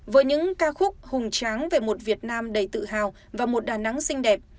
với những ca khúc hùng tráng về một việt nam đầy tự hào và một đà nẵng xinh đẹp